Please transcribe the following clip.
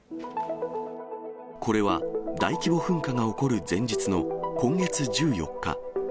これは大規模噴火が起こる前日の今月１４日。